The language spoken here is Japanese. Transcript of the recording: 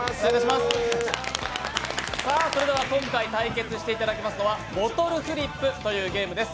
それでは今回対決していただきますのはボトルフリップというゲームです。